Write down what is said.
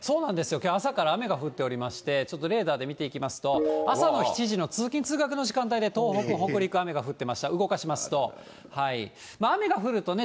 きょう、朝から雨が降っておりまして、ちょっとレーダーで見ていきますと、朝の７時の通勤・通学の時間帯で、東北、北陸雨が降ってました。